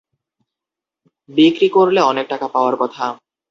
বিক্রি করলে অনেক টাকা পাওয়ার কথা।